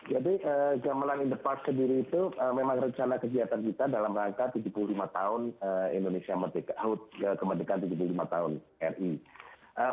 jadi gamelan in the park sendiri itu memang rencana kegiatan kita dalam rangka tujuh puluh lima tahun indonesia kemerdekaan ri